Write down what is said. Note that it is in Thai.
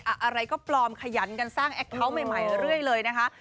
อะไรก็ปลอมขยันกันสร้างแอคเคาน์ใหม่เรื่อยเลยนะคะ